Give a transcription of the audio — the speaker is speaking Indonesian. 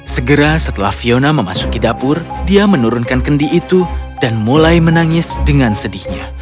segera setelah fiona memasuki dapur dia menurunkan kendi itu dan mulai menangis dengan sedihnya